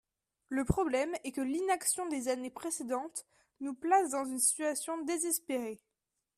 Le problème est que l’inaction des années précédentes nous place dans une situation désespérée.